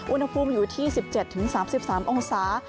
อุณหภูมิอยู่ที่๑๗๓๓องศา